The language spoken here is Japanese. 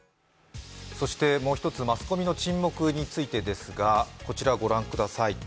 もう一つマスコミの沈黙についてですがこちらをご覧ください。